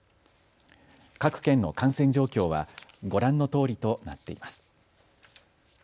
各県の感染状況はご覧のとおりとなっています。